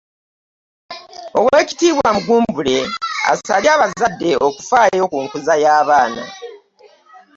Oweekitiibwa Mugumbule asabye abazadde okufaayo ku nkuza y'abaana.